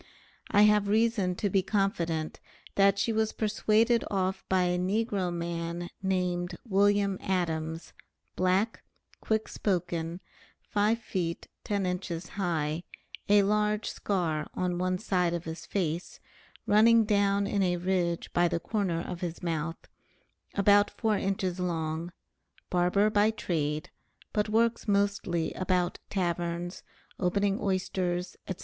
I have reason to be confident that she was persuaded off by a negro man named Wm. Adams, black, quick spoken, 5 feet 10 inches high, a large scar on one side of his face, running down in a ridge by the corner of his mouth, about 4 inches long, barber by trade, but works mostly about taverns, opening oysters, &c.